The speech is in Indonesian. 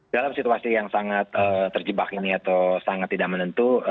dalam situasi yang sangat terjebak ini atau sangat tidak menentu